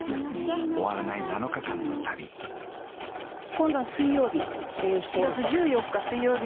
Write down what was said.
今度の水曜日。